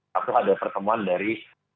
waktu itu ada pertemuan dari